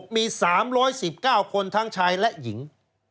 มี๓๑๙คนทั้งชายและหญิง